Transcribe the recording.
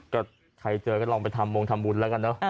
ก็ใครเจอก็ลองไปทำมงทำบุญแล้วกันเนอะ